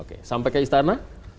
oke sampai ke istana